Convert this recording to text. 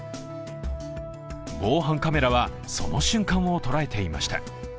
防犯カメラは、その瞬間を捉えていました。